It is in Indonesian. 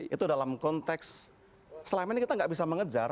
itu dalam konteks selama ini kita nggak bisa mengejar